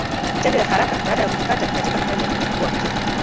Chanjo ya haraka baada ya kujipata katika hatari ya kuambukizwa